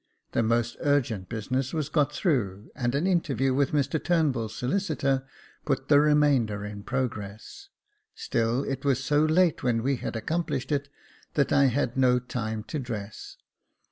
The most urgent business was got through, and an interview with Mr TurnbuU's solicitor put the remainder in progress ; still it was so late when we had accomplished it, that I had no time to dress.